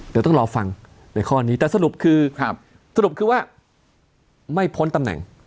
เดี๋ยวต้องรอฟังในข้อนี้แต่สรุปคือสรุปคือว่าไม่พ้นตำแหน่ง